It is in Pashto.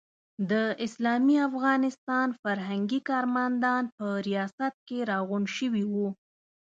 د اسلامي افغانستان فرهنګي کارمندان په ریاست کې راغونډ شوي وو.